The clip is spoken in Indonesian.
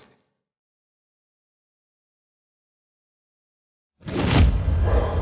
aku mau pergi